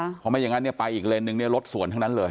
เพราะไม่อย่างนั้นเนี่ยไปอีกเลนนึงเนี่ยรถสวนทั้งนั้นเลย